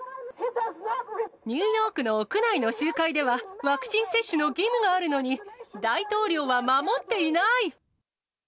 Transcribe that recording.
ニューヨークの屋内の集会では、ワクチン接種の義務があるのに、大統領は守っていない。